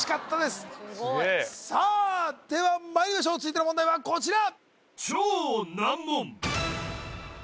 すごいさあではまいりましょう続いての問題はこちら